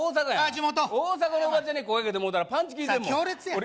地元大阪のおばちゃんに声かけてもろたらパンチ効いてるもんそら